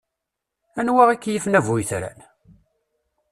Anwa i k-yifen a bu yetran?